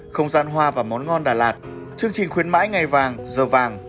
không gian hoa và món ngon đà lạt chương trình khuyến mãi ngày vàng giờ vàng